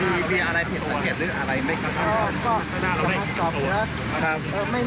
ครับครับ